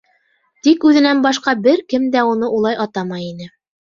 Тик үҙенән башҡа бер кем дә уны улай атамай ине.